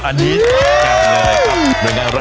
อันนี้แกล้งเลยนะครับ